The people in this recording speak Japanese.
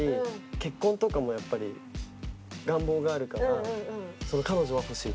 結婚とかもやっぱり願望があるから彼女は欲しいってもちろん。